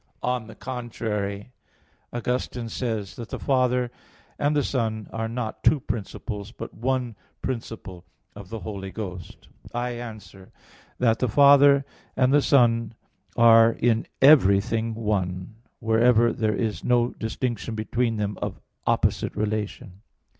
On the contrary, Augustine says (De Trin. v, 14) that the Father and the Son are not two principles, but one principle of the Holy Ghost. I answer that, The Father and the Son are in everything one, wherever there is no distinction between them of opposite relation.